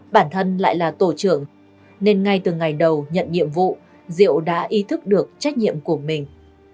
bản thân lại là tổ trưởng nên ngay từ ngày đầu nhận nhiệm vụ diệu đã ý thức được trách nhiệm của mình